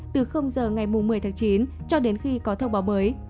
từ giờ ngày một mươi tháng chín cho đến khi có thông báo mới